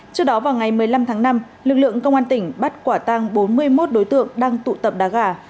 trước đó vào ngày một mươi năm tháng năm lực lượng công an tỉnh bắt quả tăng bốn mươi một đối tượng đang tụ tập đá gà